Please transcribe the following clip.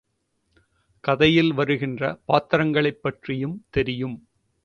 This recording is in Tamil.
கதையில் வருகின்ற பாத்திரங்களைப் பற்றியும் தெரியும்.